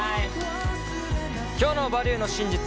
今日の「バリューの真実」